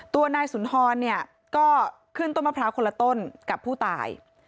ตัวนายสุนทรเนี่ยก็ขึ้นต้นมะพร้าวคนละต้นกับผู้ตาย